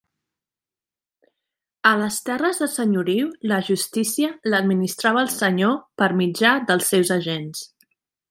A les terres de senyoriu, la justícia l'administrava el senyor per mitjà dels seus agents.